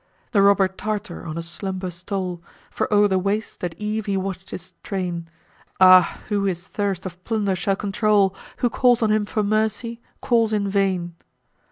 The robber Tartar on his slumber stole, For o'er the waste, at eve, he watch'd his train; Ah! who his thirst of plunder shall control? Who calls on him for mercy—calls in vain!